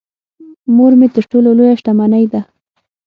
مور مې تر ټولو لويه شتمنی ده .